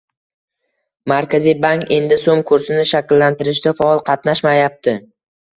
Markaziy bank endi so'm kursini shakllantirishda faol qatnashmayapti